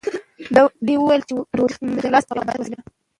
ده وویل چې روژه د اخلاص او عبادت وسیله ده.